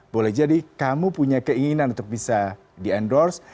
boleh jadi kamu punya keinginan untuk bisa di endorse